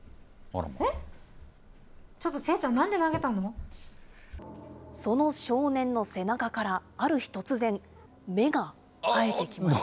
ちょっとせいちゃん、その少年の背中から、ある日突然、芽が生えてきます。